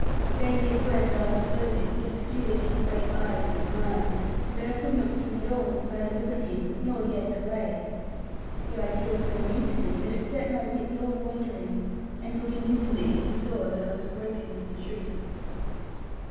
Saying these words rather slowly, he skewered his great eyes into mine, so that I could not think at all, neither look at him, nor yet away. The idea was so new to me that it set my wits all wandering; and looking into me, he saw that I was groping for the truth.